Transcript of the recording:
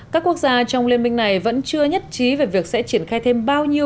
các quốc gia trong liên minh này vẫn chưa nhất trí về việc sẽ triển khai thêm bao nhiêu